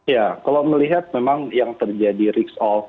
ya kalau melihat memang yang terjadi risk off